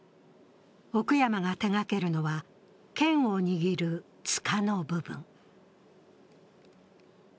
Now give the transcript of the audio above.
奥山が手がけるのは、剣を握るつかの部分。